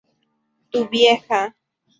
Tu vieja